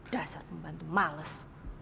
dasar pembantu males